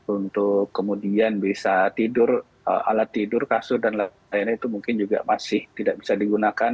untuk kemudian bisa tidur alat tidur kasur dan lain lainnya itu mungkin juga masih tidak bisa digunakan